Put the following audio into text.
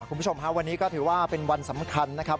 คุณผู้ชมฮะวันนี้ก็ถือว่าเป็นวันสำคัญนะครับ